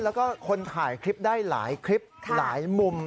แล้วก็คนถ่ายคลิปได้หลายคลิปหลายมุม